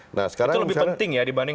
itu lebih penting ya dibanding